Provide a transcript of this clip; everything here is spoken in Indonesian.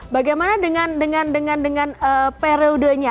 bagaimana dengan periodenya